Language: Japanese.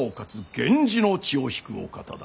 源氏の血を引くお方だ。